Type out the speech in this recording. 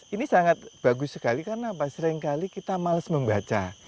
ini sangat bagus sekali karena seringkali kita males membaca